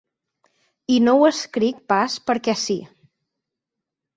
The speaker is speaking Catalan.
I no ho escric pas perquè sí.